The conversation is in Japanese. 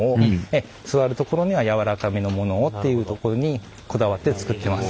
座る所には柔らかめのものをっていうところにこだわって作ってます。